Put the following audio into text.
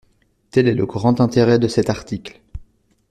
Tel est le grand intérêt de cet article.